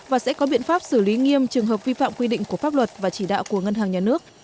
và sẽ có biện pháp xử lý nghiêm trường hợp vi phạm quy định của pháp luật và chỉ đạo của ngân hàng nhà nước